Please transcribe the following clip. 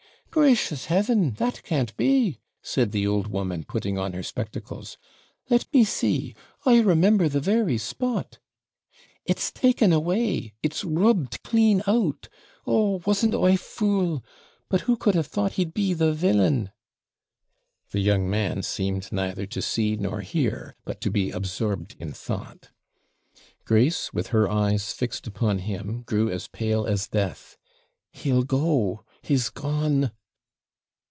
'Gracious Heaven! that can't be,' said the old woman, putting on her spectacles; 'let me see I remember the very spot.' 'It's taken away it's rubbed clean out! Oh, wasn't I fool? But who could have thought he'd be the villain!' The young man seemed neither to see nor hear; but to be absorbed in thought. Grace, with her eyes fixed upon him, grew as pale as death 'He'll go he's gone.'